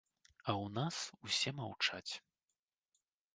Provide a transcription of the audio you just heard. А ў нас усе маўчаць.